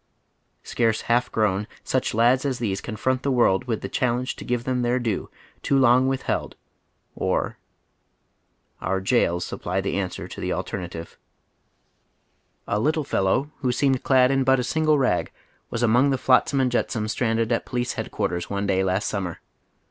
Scarce half grown, such lads as these confront the world with the challenge to give them their due, too long withheld, or . Our jails supply the answer to the alternative. A little fellow who seemed clad in but a single rag was among the flotsam and jetsam stranded at Police Head quarters one day last summer.